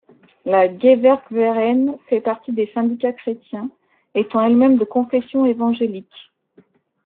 La Gewerkverein fait partie des syndicats chrétiens, étant elle-même de confession évangélique.